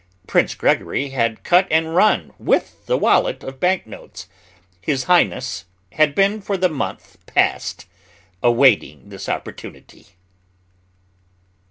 Prince Gregory had cut and run with the wallet of bank notes. His Highness had been for the month past awaiting this opportunity.